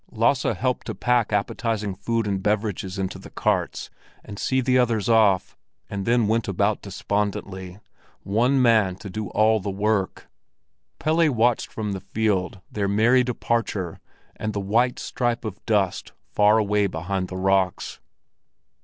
Lasse helped to pack appetizing food and beverages into the carts, and see the others off, and then went about despondently—one man to all the work. Pelle watched from the field their merry departure and the white stripe of dust far away behind the rocks.